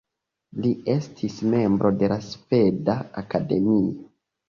Li estis membro de la Sveda Akademio.